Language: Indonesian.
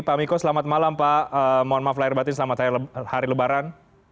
pak miko selamat malam pak mohon maaf lahir batin selamat hari lebaran